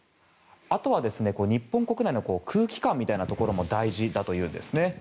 あとは、日本国内の空気感みたいなところも大事だといいます。